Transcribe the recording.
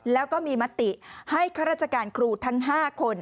แล้วก็มีมติให้ข้าราชการครูทั้ง๕คน